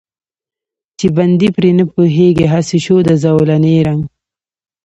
چې بندي پرې نه پوهېږي، هسې شو د زولانې رنګ.